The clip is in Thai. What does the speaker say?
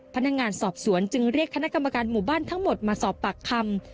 พนักงานสอบสวนจึงเรียกคณะกรรมการหมู่บ้านทั้งหมดมาสอบปากคำ